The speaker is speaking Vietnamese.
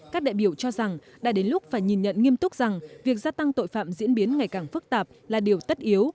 các đại biểu cho rằng đã đến lúc phải nhìn nhận nghiêm túc rằng việc gia tăng tội phạm diễn biến ngày càng phức tạp là điều tất yếu